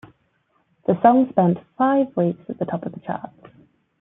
The song spent five weeks at the top of the charts.